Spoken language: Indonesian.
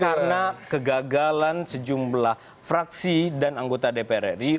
karena kegagalan sejumlah fraksi dan anggota dpr ri